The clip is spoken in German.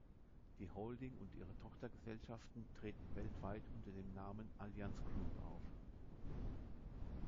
Die Holding und ihre Tochtergesellschaften treten weltweit unter dem Namen "Allianz Group" auf.